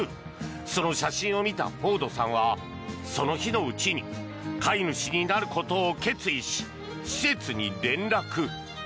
その写真を見たフォードさんはその日のうちに飼い主になることを決意し施設に連絡。